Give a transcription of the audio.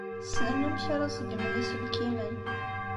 Ssnen amek ara ṣeggmen iselkimen.